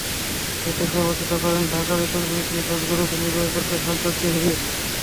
এতে সভাপতিত্ব করেন ঢাকা ইকোনমিক রিসার্চ গ্রুপের নির্বাহী পরিচালক সাজ্জাদ জহির।